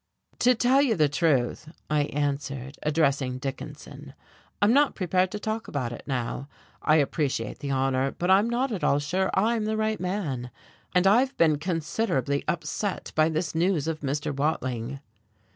"To tell you the truth," I answered, addressing Dickinson, "I'm not prepared to talk about it now. I appreciate the honour, but I'm not at all sure I'm the right man. And I've been considerably upset by this news of Mr. Watling."